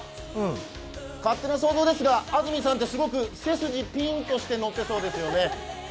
勝手な想像ですが安住さんってすごく背筋がピンとして乗ってそうですよね。